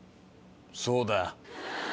そうだよ。